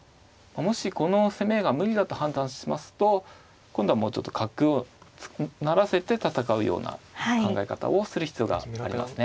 もしこの攻めが無理だと判断しますと今度はもうちょっと角を成らせて戦うような考え方をする必要がありますね。